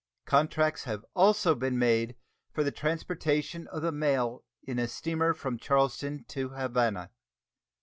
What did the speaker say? Contracts have also been made for the transportation of the mail in a steamer from Charleston to Havana.